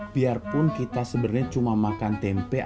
biarpun kita sebenernya cuma makan tempe atau